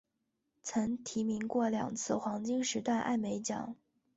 曾提名过两次黄金时段艾美奖。